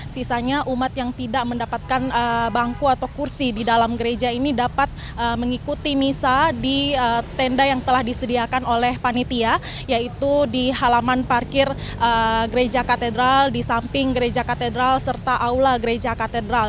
sisanya umat yang tidak mendapatkan bangku atau kursi di dalam gereja ini dapat mengikuti misa di tenda yang telah disediakan oleh panitia yaitu di halaman parkir gereja katedral di samping gereja katedral serta aula gereja katedral